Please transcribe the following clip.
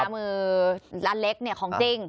มือลานเล็กเนี่ยของจริง